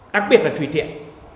đặc biệt là tùy tiện